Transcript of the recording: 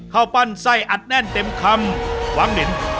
เข้าปั้นไส้อัดแน่นเต็มคำวางเหม็น